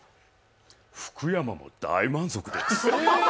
福山も大満足です。